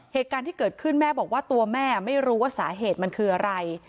เหตุการณ์ที่เกิดขึ้นแม่บอกว่าตัวแม่ไม่รู้ว่าสาเหตุมันคืออะไร